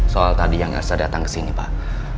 soal tadi yang saya datang ke sini pak